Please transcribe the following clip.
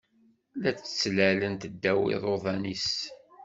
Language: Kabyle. La d-ttlalent ddaw iḍuḍan-is